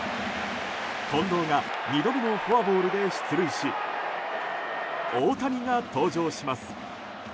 近藤が２度目のフォアボールで出塁し大谷が登場します。